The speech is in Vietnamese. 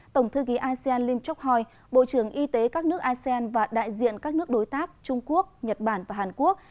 tổng thư ký asean lim chok hoi bộ trưởng y tế các nước asean và đại diện các nước đối tác trung quốc nhật bản và hàn quốc